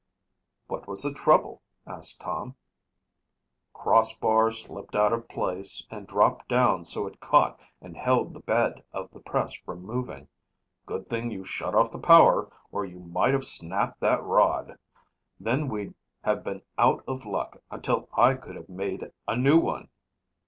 "What was the trouble?" asked Tom. "Cross bar slipped out of place and dropped down so it caught and held the bed of the press from moving. Good thing you shut off the power or you might have snapped that rod. Then we'd have been out of luck until I could have made a new one."